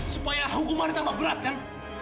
supaya hukumannya tambah berat kan